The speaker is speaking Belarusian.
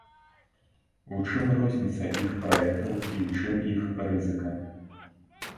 У чым розніца іх праектаў і ў чым іх рызыка?